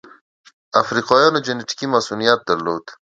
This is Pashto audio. افریقایانو جنټیکي مصوونیت درلود.